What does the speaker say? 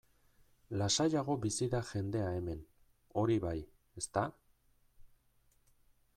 Lasaiago bizi da jendea hemen, hori bai, ezta?